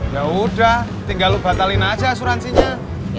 yaudah tinggal lu batalin aja asuransinya